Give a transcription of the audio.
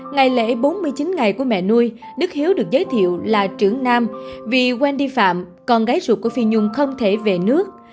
ngày lễ bốn mươi chín ngày của mẹ nuôi đức hiếu được giới thiệu là trưởng nam vì quen đi phạm con gái ruột của phi nhung không thể về nước